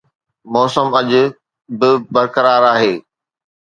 موسم اڄ به برقرار آهي